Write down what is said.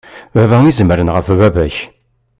Baba i izemren ɣef baba-k.